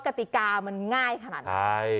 กติกามันง่ายขนาดไหน